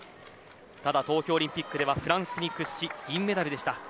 ただ東京オリンピックではフランスに屈し銀メダルでした。